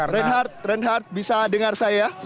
reinhard bisa dengar saya